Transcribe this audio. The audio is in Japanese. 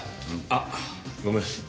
あっごめん。